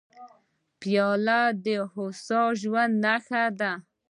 پیاله د هوسا ژوند نښه ده.